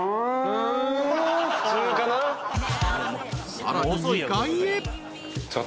［さらに２階へ］